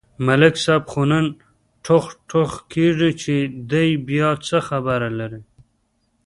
ملک صاحب خو نن ټوغ ټوغ کېږي، چې دی بیا څه خبره لري.